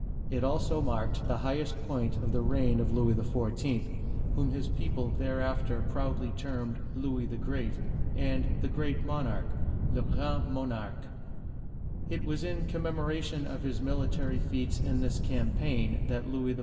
It also marked the highest point of the reign of Louis XIV., whom his people thereafter proudly termed " Louis the Great" and "the Great Monarch (le grand Mo narque). It was in commemoration of his military feats in this campaign that Louis XIV.